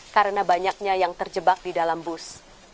karena banyaknya yang terjebak di dalam bus